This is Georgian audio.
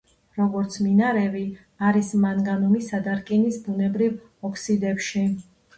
როგორც მინარევი არის მანგანუმისა და რკინის ბუნებრივ ოქსიდებში.